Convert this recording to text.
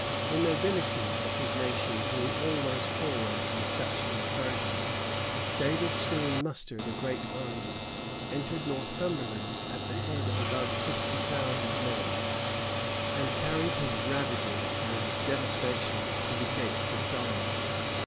The nobility of his nation being always forward in such incursions, David soon mustered a great army, entered Northumberland at the head of above fifty thousand men, and carried his ravages and devastations to the gates of Durham.